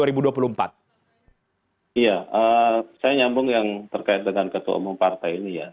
iya saya nyambung yang terkait dengan ketua umum partai ini ya